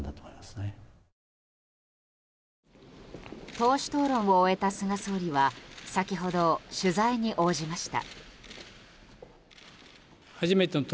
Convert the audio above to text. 党首討論を終えた菅総理は先ほど、取材に応じました。